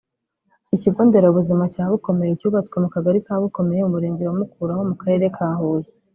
Iki kigo nderabuzima cya Bukomeye cyubatswe mu kagali ka Bukomeye umurenge wa Mukura ho mu karere ka Huye